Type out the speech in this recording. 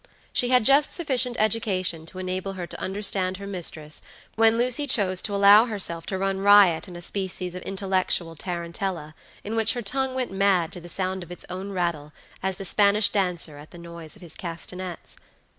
She had just sufficient education to enable her to understand her mistress when Lucy chose to allow herself to run riot in a species of intellectual tarantella, in which her tongue went mad to the sound of its own rattle, as the Spanish dancer at the noise of his castanets.